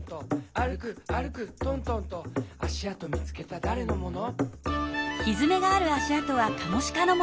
「あるくあるくとんとんと」「あしあとみつけただれのもの？」